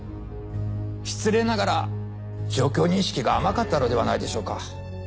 失礼ながら状況認識が甘かったのではないでしょうか。